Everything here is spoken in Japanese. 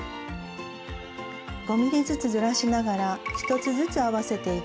５ｍｍずつずらしながら１つずつ合わせていき